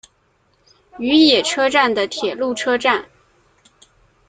与野车站的铁路车站。